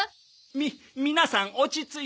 み皆さん落ち着いて。